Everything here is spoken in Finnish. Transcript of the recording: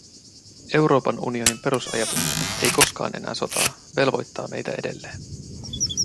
Euroopan unionin perusajatus – ei koskaan enää sotaa – velvoittaa meitä edelleen.